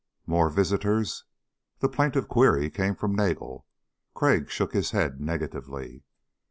"More visitors?" The plaintive query came from Nagel. Crag shook his head negatively.